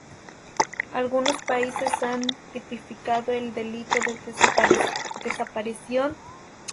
Algunos países han tipificado el delito de desaparición forzada en sus códigos penales.